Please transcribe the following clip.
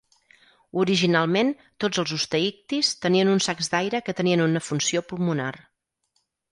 Originalment tots els osteïctis tenien uns sacs d'aire que tenien una funció pulmonar.